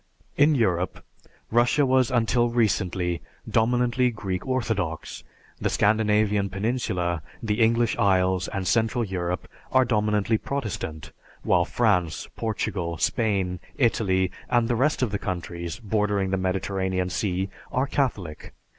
In Europe, Russia was until recently dominantly Greek Orthodox; the Scandinavian peninsula, the English Isles, and Central Europe are dominantly Protestant, while France, Portugal, Spain, Italy, and the rest of the countries bordering the Mediterranean Sea are Catholic.